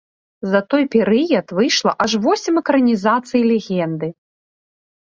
За той перыяд выйшла аж восем экранізацый легенды.